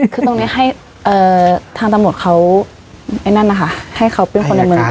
คือตรงนี้ให้ทางตำรวจเขาไอ้นั่นนะคะให้เขาเป็นคนในเมือง